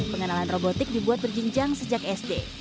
pengenalan robotik dibuat berjinjang sejak sd